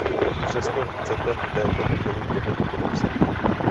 Přesto chcete v této chvíli dohodu podepsat.